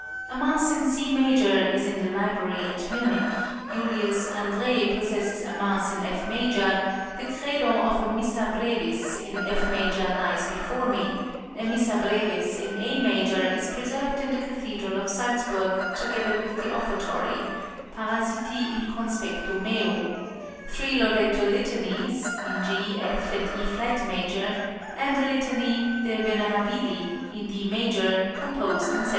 A Mass in C major is in the library at Munich, Julius André possesses a Mass in F major, the Credo of a "Missa brevis" in F major lies before me; a "Missa brevis" in A major is preserved in the cathedral of Salzburg, together with the Offertory, "Parasti in conspectu meo," three Loretto Litanies (in G, F, and E flat major), and a Litany "De venerabili" in D major, composed in 1762.